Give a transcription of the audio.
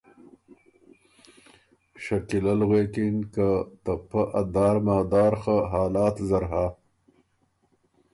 شکیله ل غوېکِن که ”ته پۀ ا دار مادار خه حالات زر هۀ